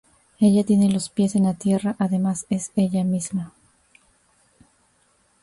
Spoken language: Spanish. Ella tiene los pies en la tierra, además es ella misma.